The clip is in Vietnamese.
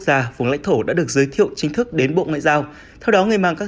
gia vùng lãnh thổ đã được giới thiệu chính thức đến bộ ngoại giao theo đó người mang các